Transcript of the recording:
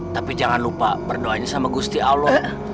tapi jangan lupa berdoanya sama gusti allah